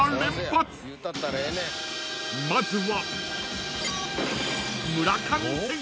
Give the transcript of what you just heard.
［まずは］